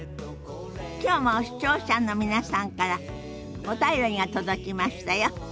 きょうも視聴者の皆さんからお便りが届きましたよ。